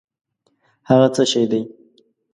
هٔغه څه شی دی؟